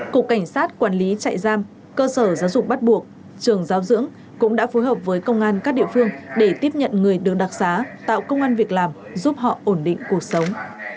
cục cảnh sát quản lý trại giam cơ sở giáo dục bắt buộc trường giáo dưỡng cũng đã phối hợp với công an các địa phương để tiếp nhận người đường đặc xá tạo công an việc làm giúp họ ổn định cuộc sống